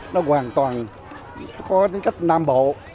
nó hoàn toàn có cái cách nam bộ